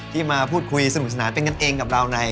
ที่มาพูดคุยสนุกสนานเป็นกันเองกับเราใน